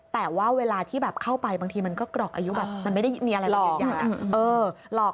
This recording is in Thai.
แต่ว่าเวลาที่แบบเข้าไปบางทีมันก็กรอกอายุแบบมันไม่ได้มีอะไรยืนยัน